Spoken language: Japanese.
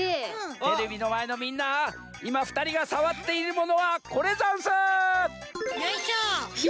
テレビのまえのみんないまふたりがさわっているものはこれざんす！よいしょ。